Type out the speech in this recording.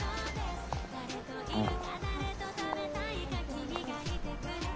うん。